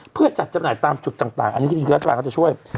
เพื่อจัดจำหน่ายตามจุดต่างอันนี้คือรัฐบาลก็จะช่วย